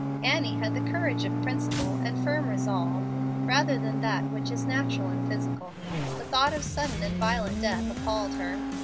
Annie had the courage of principle and firm resolve, rather than that which is natural and physical. The thought of sudden and violent death appalled her.